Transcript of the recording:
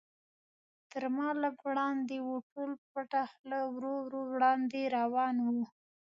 تر ما لږ وړاندې و، ټول پټه خوله ورو ورو وړاندې روان و.